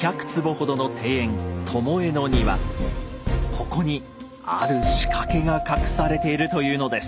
ここに「ある仕掛け」が隠されているというのです。